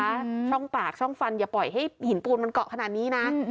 ช่องปากช่องฟันอย่าปล่อยให้หินปูนมันเกาะขนาดนี้นะ